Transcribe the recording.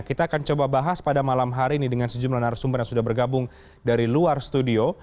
kita akan coba bahas pada malam hari ini dengan sejumlah narasumber yang sudah bergabung dari luar studio